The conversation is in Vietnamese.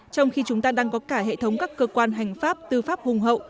trong khi chúng ta đang có cả hệ thống các cơ quan hành pháp tư pháp hùng hậu